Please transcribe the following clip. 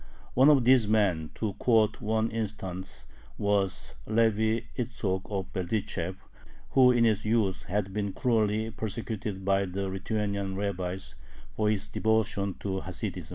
One of these men, to quote one instance, was Levi Itzhok of Berdychev, who in his youth had been cruelly persecuted by the Lithuanian rabbis for his devotion to Hasidism.